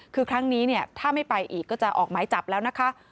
คือครั้งนี้เนี่ยถ้าไม่ไปอีกก็จะออกหมายจับแล้วนะคะ